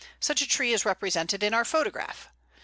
Such a tree is represented in our photograph.